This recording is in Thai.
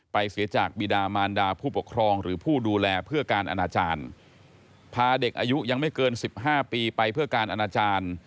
เสียจากบีดามานดาผู้ปกครองหรือผู้ดูแลเพื่อการอนาจารย์พาเด็กอายุยังไม่เกิน๑๕ปีไปเพื่อการอนาจารย์